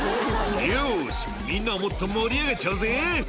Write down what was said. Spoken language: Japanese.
「よしみんなをもっと盛り上げちゃうぜ」